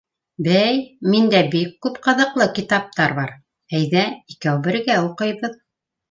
— Бәй, миндә бик күп ҡыҙыҡлы китаптар бар, әйҙә, икәү бергә уҡыйбыҙ!